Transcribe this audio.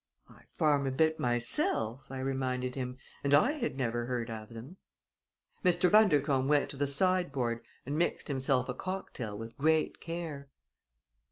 "I farm a bit myself," I reminded him, "and I had never heard of them." Mr. Bundercombe went to the sideboard and mixed himself a cocktail with great care.